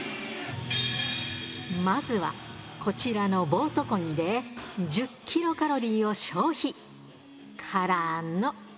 まずは、こちらのボート漕ぎで１０キロカロリーを消費、からの。